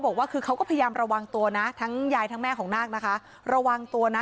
บอกว่าคือเขาก็พยายามระวังตัวนะทั้งยายทั้งแม่ของนาคนะคะระวังตัวนะ